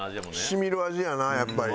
染みる味やなやっぱり。